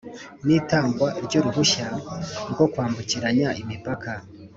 n itangwa ry uruhushya rwo kwambukiranya imipaka